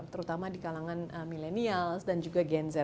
terutama di kalangan milenials dan juga gen z